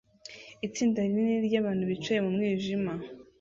Itsinda rinini ryabantu bicaye mu mwijima